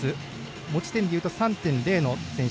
持ち点でいうと３．０の選手。